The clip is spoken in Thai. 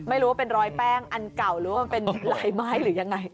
ไม่รู้ว่าเป็นรอยแป้งอันเก่าหรือว่ามันเป็นลายไม้หรือยังไง